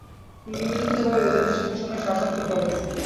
তিনি নিম্নলিখিতভাবে বেদান্তের শিক্ষাসমূহের সারসংক্ষেপ করেন